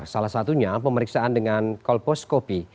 salah satunya pemeriksaan dengan kolposcopy